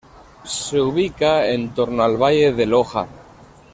Se ubica en torno al valle del Oja.